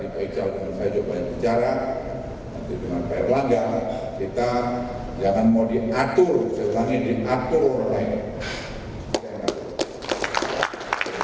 saya juga banyak bicara dengan pak erlangga kita jangan mau diatur saya bilangin diatur orang lain